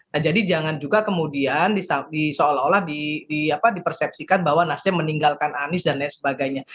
nah jadi jangan juga kemudian di seolah olah dipersepsikan bahwa nasdem meninggalkan anies dan lain sebagainya